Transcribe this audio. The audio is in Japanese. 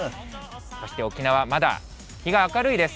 そして沖縄、まだ日が明るいです。